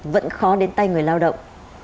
vẫn khó đến tay người lao động